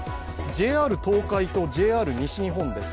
ＪＲ東海とＪＲ西日本です。